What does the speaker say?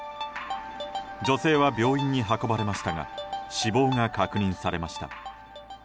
女性は病院に運ばれましたが死亡が確認されました。